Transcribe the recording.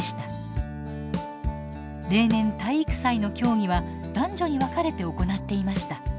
例年体育祭の競技は男女に分かれて行っていました。